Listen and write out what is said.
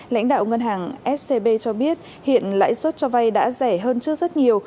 lãnh đạo ngân hàng scb cho biết hiện lãi suất cho vay đã rẻ hơn trước rất nhiều